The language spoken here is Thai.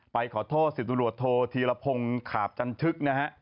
ไปขอโทษศิษย์ตำรวจโทษธีรพงศ์ขาบจันทึก